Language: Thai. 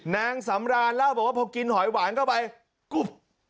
นางสำรานเล่าบอกว่าพอกินหอยหวานเข้าไปกุ๊บ